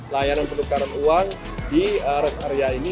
layanan penukaran uang di rest area ini